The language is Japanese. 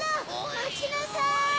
まちなさい！